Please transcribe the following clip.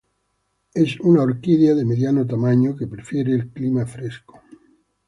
Es una orquídea de mediano tamaño, que prefiere el clima fresco.